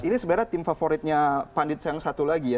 ini sebenarnya tim favoritnya pandit yang satu lagi ya